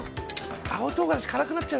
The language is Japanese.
青唐辛子辛くなっちゃう。